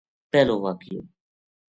پہلو واقعو